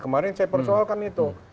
kemarin saya persoalkan itu